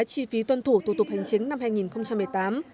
chi phí tuân thủ thủ tục hành chính năm hai nghìn một mươi tám